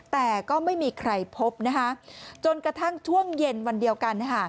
แต่ก็ไม่มีใครพบนะคะจนกระทั่งช่วงเย็นวันเดียวกัน